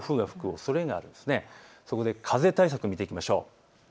そこで風対策を見ていきましょう。